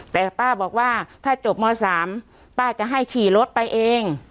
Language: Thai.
แต่ป้าบอกว่าถ้าจบม๓ป้าจะให้ขี่รถไปเอง